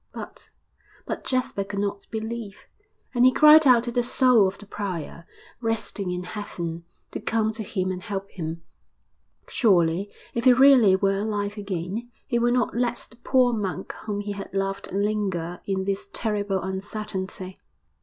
But but Jasper could not believe. And he cried out to the soul of the prior, resting in heaven, to come to him and help him. Surely, if he really were alive again, he would not let the poor monk whom he had loved linger in this terrible uncertainty.